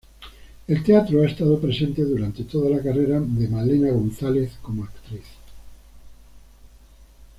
El teatro ha estado presente durante toda la carrera de Malena González como actriz.